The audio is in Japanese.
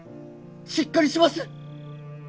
しっかりします！